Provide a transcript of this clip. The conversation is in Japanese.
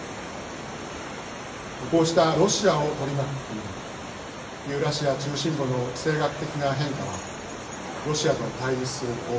こうしたロシアを取り巻く国々ユーラシア中心部の地政学的な変化はロシアと対立する欧米